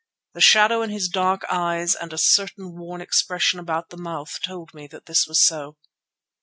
The shadow in his dark eyes and a certain worn expression about the mouth told me that this was so.